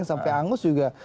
sampai angus juga